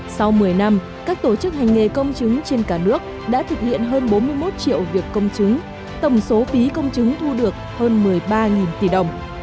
sau một mươi năm các tổ chức hành nghề công chứng trên cả nước đã thực hiện hơn bốn mươi một triệu việc công chứng tổng số phí công chứng thu được hơn một mươi ba tỷ đồng